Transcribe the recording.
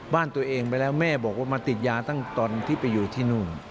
บ้านตัวเองไปแล้วแม่บอกว่ามาติดยาตั้งตอนที่ไปอยู่ที่นู่น